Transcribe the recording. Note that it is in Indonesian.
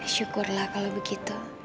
syukurlah kalau begitu